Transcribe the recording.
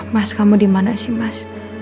mas kamu dimana sih mas